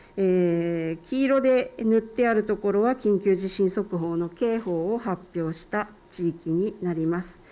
黄色で塗ってあるところは緊急地震速報の警報を発表した地域になります。